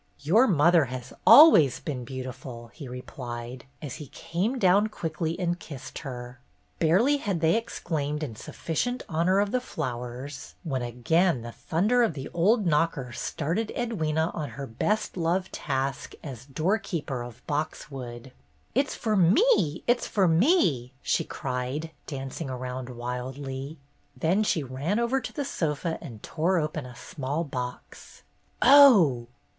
"Your mother has always been beautiful," he replied, as he came down quickly and kissed her. Barely had they exclaimed in sufficient honor of the flowers when again the thunder of the old knocker started Edwyna on her best loved task as doorkeeper of " Boxwood." "It 's for me, it's for me !" she cried, danc ing around wildly. Then she ran over to the sofa and tore open a small box. "Oh!"